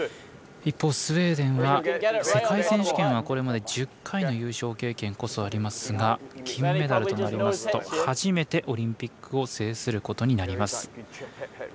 一方、スウェーデンは世界選手権はこれまで１０回の優勝経験こそありますが金メダルとなりますと初めてオリンピックを制することになります。